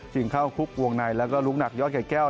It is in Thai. เข้าคุกวงในแล้วก็ลูกหนักยอดไก่แก้ว